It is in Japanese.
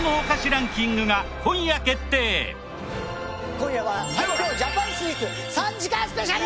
今夜は最強ジャパンスイーツ３時間スペシャル！